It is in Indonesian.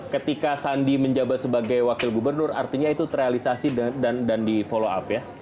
ketika sandi menjabat sebagai wakil gubernur artinya itu terrealisasi dan di follow up ya